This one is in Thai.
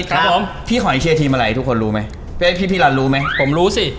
ครับผมพี่หอยเชียร์ทีมอะไรทุกคนรู้ไหมพี่พี่รันรู้ไหมผมรู้สิ